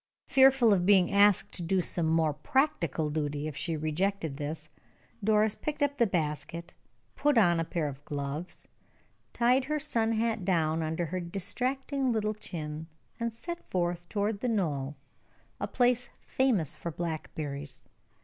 Fearful of being asked to do some more practical duty if she rejected this, Doris picked up the basket, put on a pair of gloves, tied her sun hat down under her distracting little chin, and set forth toward the knoll, a place famous for blackberries.